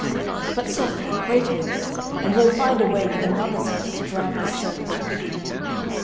But softly, wait a minute, and we'll find a way with another's help to drive this serpent away.